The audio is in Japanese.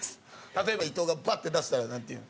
例えば伊藤がバッて出したらなんて言うの？